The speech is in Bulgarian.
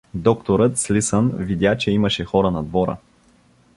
Докторът, слисан, видя, че имаше хора на двора.